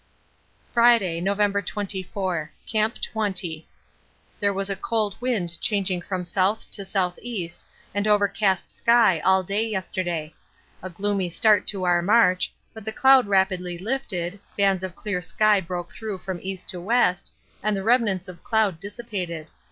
Friday, November 24. Camp 20. There was a cold wind changing from south to S.E. and overcast sky all day yesterday. A gloomy start to our march, but the cloud rapidly lifted, bands of clear sky broke through from east to west, and the remnants of cloud dissipated.